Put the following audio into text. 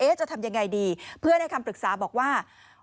จะทำยังไงดีเพื่อนให้คำปรึกษาบอกว่า